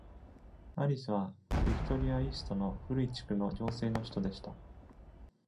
アリスはビクトリアイーストの古い地区の行政の首都でした。